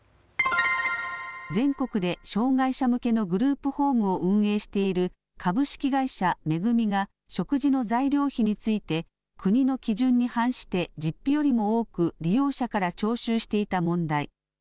全国で障害者向けのグループホームを運営している株式会社恵が食事の材料費について国の基準に反して実費よりも多く利用者から徴収していた問題。